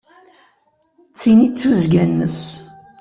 D tin i d tuzzga-ines.